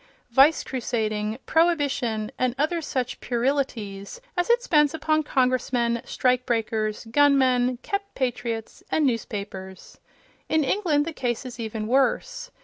vice crusading, Prohibition and other such puerilities as it spends upon Congressmen, strike breakers, gun men, kept patriots and newspapers. In Eng land the case is even worse.